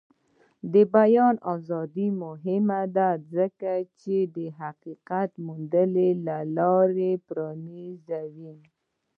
د بیان ازادي مهمه ده ځکه چې د حقیقت موندلو لاره پرانیزي.